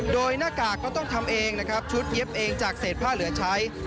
โดยหน้ากากก็ต้องทำเองนะครับชุดเย็บเองจากเศษผ้าเหลือใช้